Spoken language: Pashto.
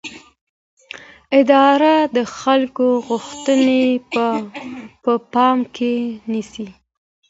اداره د خلکو غوښتنې په پام کې نیسي.